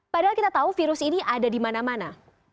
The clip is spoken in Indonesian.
padahal kita tahu virus ini ada di mana mana